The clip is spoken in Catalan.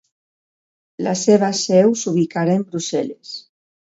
La seva seu s'ubicarà en Brussel·les.